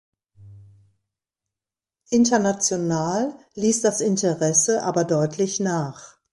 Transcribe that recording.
International ließ das Interesse aber deutlich nach.